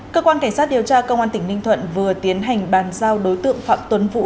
cơ quan cảnh sát điều tra công an tỉnh ninh thuận vừa tiến hành bàn giao đối tượng phạm tuấn vũ